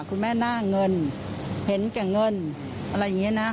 คุณแม่หน้าเงินเห็นแก่เงินอะไรอย่างนี้นะ